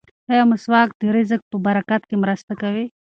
ایا مسواک د رزق په برکت کې مرسته کوي؟